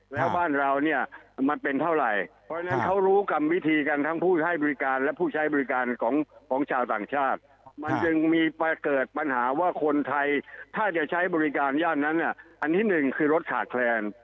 แล้วบ้านเราเนี่ยมันเป็นเท่าไหร่เพราะฉะนั้นเขารู้กรรมวิธีกันทั้งผู้ให้บริการและผู้ใช้บริการของชาวต่างชาติมันจึงมีเกิดปัญหาว่าคนไทยถ้าจะใช้บริการย่านนั้นเนี่ยอันที่หนึ่งคือรถขาดแคลน